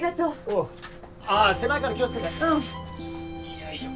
よいしょ。